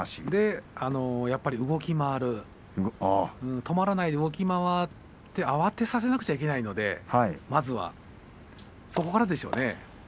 やっぱり動き回る止まらないで動き回って慌てさせなくちゃいけないのでそこからですよね。